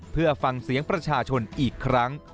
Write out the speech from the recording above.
เพื่อฟังเสียงประชาชนอีกครั้ง